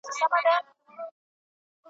په سینه کي یې د حرص لمبې بلیږي `